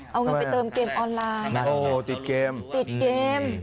เอาเงินไปเติมเกมออนไลน์ติดเกม